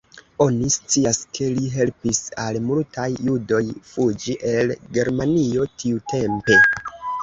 Oni scias ke li helpis al multaj judoj fuĝi el Germanio tiutempe.